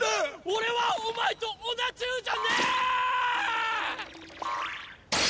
俺はお前と同中じゃねぇ！